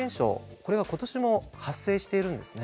これが今年も発生しているんですね。